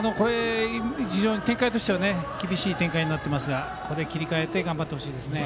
展開としては非常に厳しい展開になっていますがここで切り替えて頑張ってほしいですね。